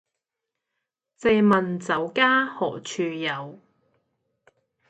借問酒家何處有